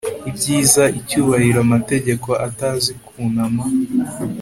Ibyiza icyubahiro amategeko atazi kunama